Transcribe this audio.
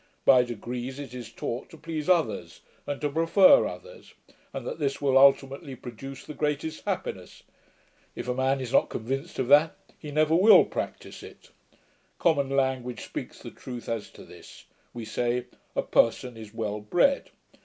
By degrees, it is taught to please others, and to prefer others; and that this will ultimately produce the greatest happiness. If a man is not convinced of that, he never will practice it. Common language speaks the truth as to this: we say, a person is well BRED.